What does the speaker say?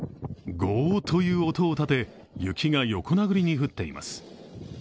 ゴーという音を立て、雪が横殴りに降っています。